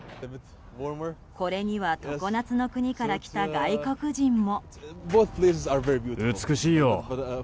これには常夏の国から来た外国人も。